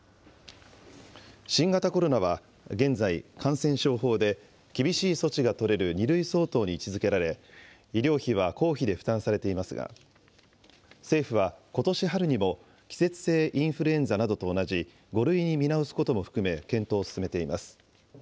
新型コロナは現在、感染症法で、厳しい措置が取れる２類相当に位置づけられ、医療費は公費で負担されていますが、政府はことし春にも、季節性インフルエンザなどと同じ５類に見直すことも含め検討を進めています。